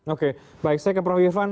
oke baik saya ke prof irvan